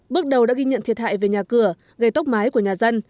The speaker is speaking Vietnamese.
bước đầu đã ghi nhận thiệt hại về nhà cửa gây tốc mái của nhà dân